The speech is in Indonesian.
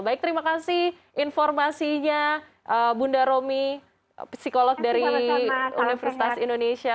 baik terima kasih informasinya bunda romi psikolog dari universitas indonesia